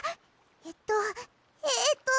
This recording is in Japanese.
えっとえっと